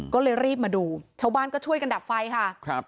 ก็เลยรีบมาดูชาวบ้านก็ช่วยกันดับไฟค่ะครับ